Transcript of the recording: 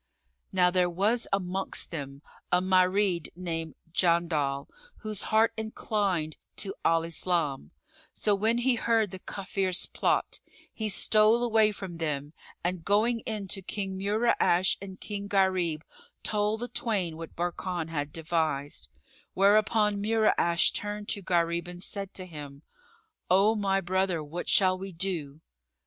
Now there was amongst them a Marid named Jandal whose heart inclined to Al Islam; so, when he heard the Kafirs' plot, he stole away from them and going in to King Mura'ash and King Gharib, told the twain what Barkan had devised; whereupon Mura'ash turned to Gharib and said to him, "O my brother, what shall we do?"